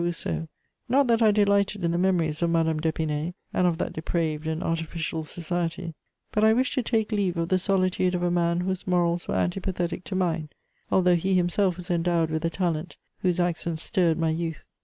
Rousseau: not that I delighted in the memories of Madame d'Épinay and of that depraved and artificial society; but I wished to take leave of the solitude of a man whose morals were antipathetic to mine, although he himself was endowed with a talent whose accents stirred my youth.